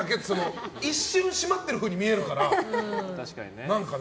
一瞬、閉まってるふうに見えるから。